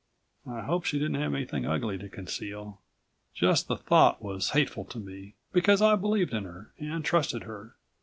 I hoped she didn't have anything ugly to conceal. Just the thought was hateful to me, because I believed in her and trusted her.